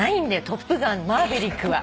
『トップガンマーヴェリック』は。